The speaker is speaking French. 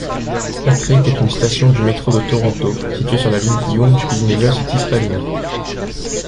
Patrick est une station du métro de Toronto, située sur la ligne Yonge-University-Spadina.